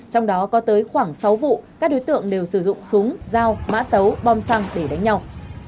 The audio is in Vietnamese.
trong đó có tới khoảng sáu vụ các đối tượng đều sử dụng súng dao mã tấu bom xăng để đánh nhau